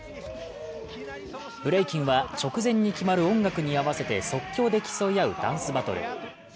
ブレイキンは、直前に決まる音楽に合わせて即興で競い合うダンスバトル。